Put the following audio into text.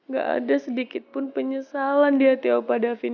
gak ada sedikitpun penyesalan di hati opa davin